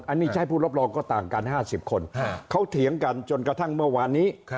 อันนี้ใช้ผู้รับรองก็ต่างกัน๕๐คนเขาเถียงกันจนกระทั่งเมื่อวานนี้